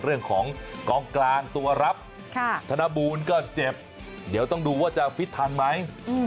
เรื่องของกองกลางตัวรับธนบูลก็เจ็บเดี๋ยวต้องดูว่าจะฟิตทันไหม